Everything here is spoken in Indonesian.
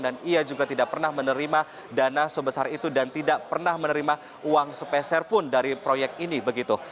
dan ia juga tidak pernah menerima dana sebesar itu dan tidak pernah menerima uang spesial pun dari proyek ini begitu